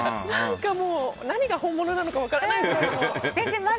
何が本物なのか分からないぐらい。